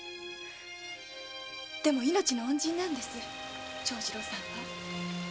でも命の恩人なんです長次郎さんは。